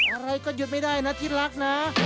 อะไรก็หยุดไม่ได้นะที่รักนะ